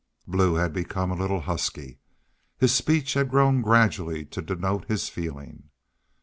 Blue had become a little husky. His speech had grown gradually to denote his feeling.